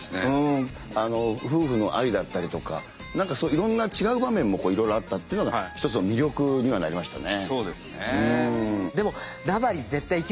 夫婦の愛だったりとか何かいろんな違う場面もいろいろあったっていうのが一つの魅力にはなりましたね。